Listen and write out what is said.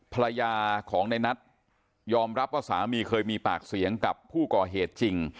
ภรรยาของในนัทยอมรับว่าสามีเคยมีปากเสียงกับผู้ก่อเหตุจริง